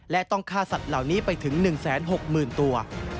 และต้องฆ่าสัตว์เหล่านี้ไปถึง๑๖๐๐๐ตัว